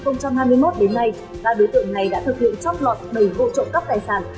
từ cuối năm hai nghìn hai mươi một đến nay ba đối tượng này đã thực hiện chóc lọt bảy vụ trộm cắp tài sản